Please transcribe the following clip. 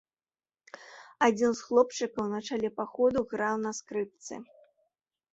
Адзін з хлопчыкаў на чале паходу граў на скрыпцы.